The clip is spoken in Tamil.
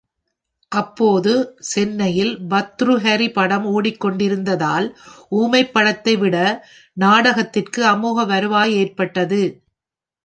அப்போது சென்னையில் பர்த்ருஹரி படமும் ஒடிக்கொண்டிருந்ததால் ஊமைப் படத்தைவிட நாடகத்திற்கு அமோகமான வருவாய் ஏற்பட்டது.